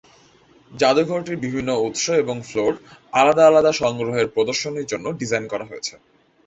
জাদুঘরটির বিভিন্ন উৎস এবং ফ্লোর আলাদা আলাদা সংগ্রহের প্রদর্শনীর জন্য ডিজাইন করা হয়েছে।